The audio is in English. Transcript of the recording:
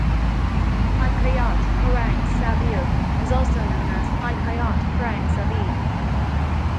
Hikayat Perang Sabil is also known as "Hikayat Prang Sabi".